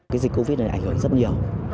cái dịch covid này ảnh hưởng rất nhiều